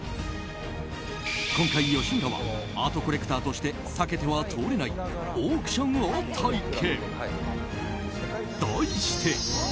今回、吉村はアートコレクターとして避けては通れないオークションを体験。